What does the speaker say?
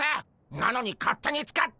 なのに勝手に使って！